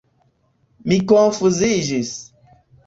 Mi konfuziĝis.